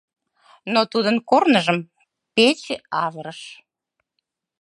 Но тудын корныжым пече авырыш.